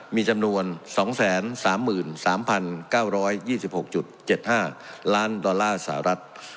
มีจำนวน๒๓๓๙๒๖๗๕ล้านดอลลาร์สหรัฐ